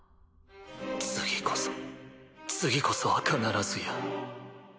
次こそ次こそは必ずや。